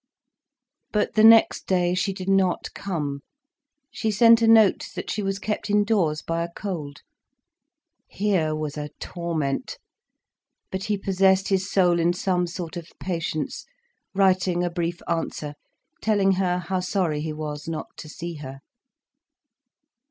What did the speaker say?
But the next day, she did not come, she sent a note that she was kept indoors by a cold. Here was a torment! But he possessed his soul in some sort of patience, writing a brief answer, telling her how sorry he was not to see her.